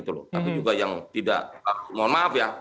tapi juga yang tidak mohon maaf ya